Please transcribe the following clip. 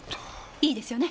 いいですよね？